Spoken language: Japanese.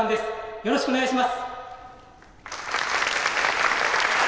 よろしくお願いします。